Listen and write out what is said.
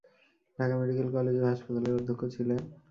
Dhaka medical college ও হাসপাতালের অধ্যক্ষ ছিলেন।